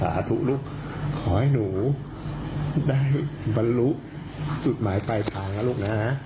สาธุลูกขอให้หนูได้บรรลุสุดหมายไปก่อนลูกนะฮะ